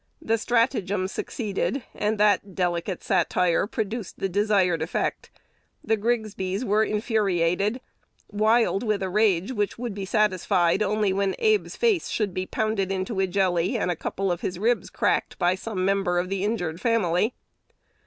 The stratagem succeeded, and that delicate "satire" produced the desired effect. The Grigsbys were infuriated, wild with a rage which would be satisfied only when Abe's face should be pounded into a jelly, and a couple of his ribs cracked by some member of the injured family.